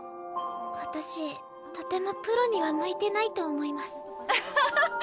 私とてもプロには向いてないと思いはははっ。